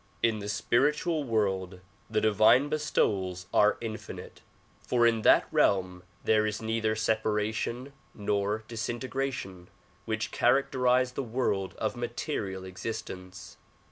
In the spiritual world, the divine bestowals are infinite, for in that realm there is neither separation nor disintegration which characterize the world of material existence.